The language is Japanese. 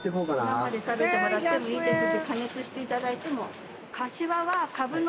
生で食べてもらってもいいですし加熱していただいても。